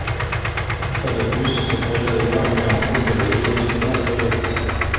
Une fois de plus, ce projet de loi remet en cause les jurisprudences progressistes.